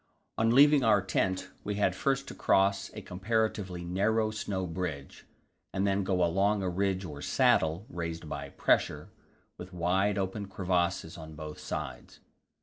On leaving our tent we had first to cross a comparatively narrow snow bridge, and then go along a ridge or saddle, raised by pressure, with wide open crevasses on both sides.